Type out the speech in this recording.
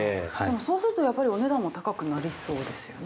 ◆そうするとお値段も高くなりそうですよね。